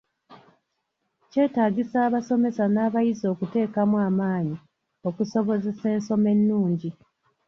Kyetagisa abasomesa nabayizi okutekaamu amaanyi okusobozesa ensoma ennungi.